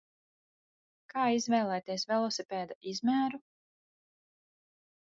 Kā izvēlēties velosipēda izmēru?